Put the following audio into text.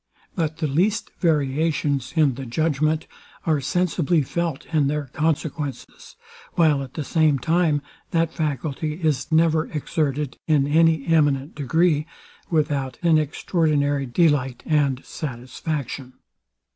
But the least variations in the judgment are sensibly felt in their consequences; while at the same time that faculty is never exerted in any eminent degree, without an extraordinary delight and satisfaction.